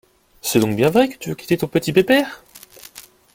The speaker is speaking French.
C’est donc bien vrai que tu veux quitter ton petit pépère ?